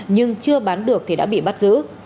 nhưng chưa bán được thì đã bị bắt giữ